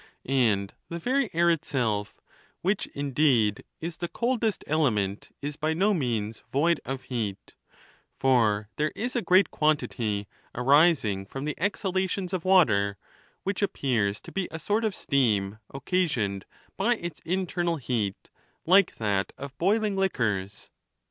And the very air itself, which indeed is the coldest ele ^ meut, is by no means void of heat ; for there is a great quantity, arising from the exhalations of water, which ap pears to be a sort of steam occasioned by its internal heat, like that of boiling liquors.